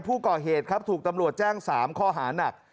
ผู้ก่อเหตุครับถูกตำรวจแจ้ง๓ข้อหานัก